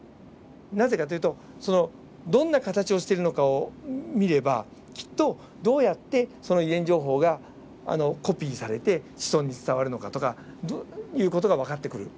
なぜかというとどんな形をしているのかを見ればきっとどうやってその遺伝情報がコピーされて子孫に伝わるのかとかいう事が分かってくる。